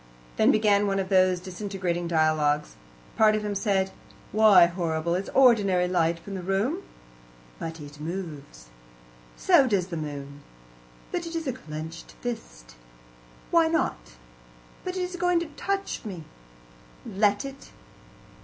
Then began one of those disintegrating dialogues. Part of him said: "Why horrible? It's ordinary light from the room." "But it moves." "So does the moon." "But it is a clenched fist." "Why not?" "But it is going to touch me." "Let it."